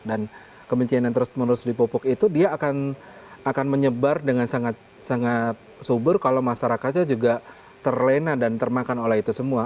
dan kebencian yang terus menerus dipupuk itu dia akan menyebar dengan sangat subur kalau masyarakatnya juga terlena dan termakan oleh itu semua